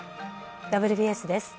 「ＷＢＳ」です。